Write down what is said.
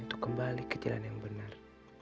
untuk kembali ke jalan yang benar